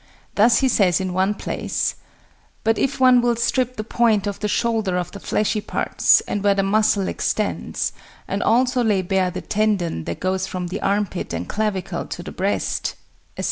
Thus he says in one place, "But if one will strip the point of the shoulder of the fleshy parts, and where the muscle extends, and also lay bare the tendon that goes from the armpit and clavicle to the breast," etc.